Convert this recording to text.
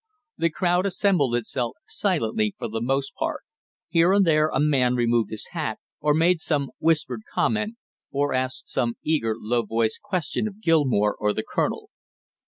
The crowd assembled itself silently for the most part; here and there a man removed his hat, or made some whispered comment, or asked some eager low voiced question of Gilmore or the colonel.